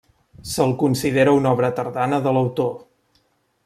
Se'l considera una obra tardana de l'autor.